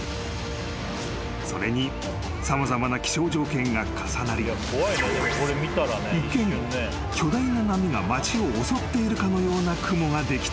［それに様々な気象条件が重なり一見巨大な波が町を襲っているかのような雲ができたのだ］